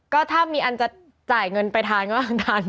ก็ถ้ามีอันจะจ่ายเงินไปทานก็นาน